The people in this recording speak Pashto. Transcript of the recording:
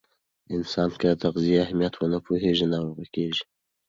انسان که د تغذیې اهمیت ونه پوهیږي، ناروغ کیږي.